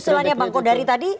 tapi misalnya bang kodari tadi